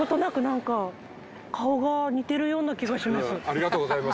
ありがとうございます。